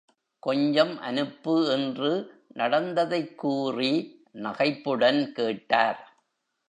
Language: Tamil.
கொஞ்சம் அனுப்பு என்று நடந்ததைக் கூறி நகைப்புடன் கேட்டார்.